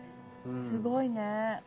すごいね。